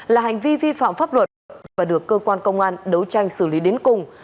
là hành vi vi phạm pháp luật và được cơ quan công an đấu tranh xử lý đến cùng